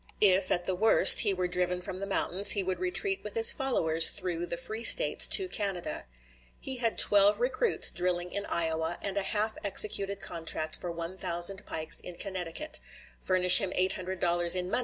If, at the worst, he were driven from the mountains he would retreat with his followers through the free States to Canada. He had 12 recruits drilling in Iowa, and a half executed contract for 1000 pikes in Connecticut; furnish him $800 in money and he would begin operations in May.